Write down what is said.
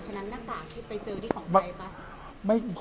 ฉะนั้นน้ากากที่ไปเจอที่ของใครปะ